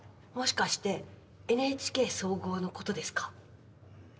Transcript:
もしかしてＮＨＫ総合のことですか？